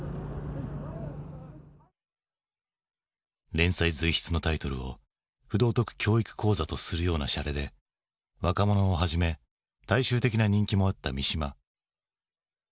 連載随筆のタイトルを「不道徳教育講座」とするようなシャレで若者をはじめ大衆的な人気もあった三島。